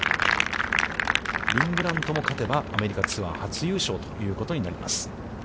リン・グラントも勝てば、アメリカツアー初優勝ということになります。